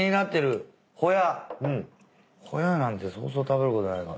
ホヤなんてそうそう食べることないから。